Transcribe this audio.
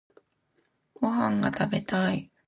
ご飯が食べたい